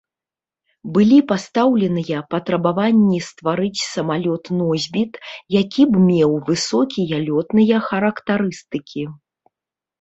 Былі пастаўленыя патрабаванні стварыць самалёт-носьбіт, які б меў высокія лётныя характарыстыкі.